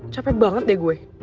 capek banget deh gue